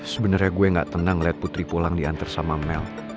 sebenarnya gue gak tenang lihat putri pulang diantar sama mel